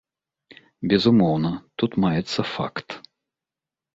Безумоўна, тут маецца факт.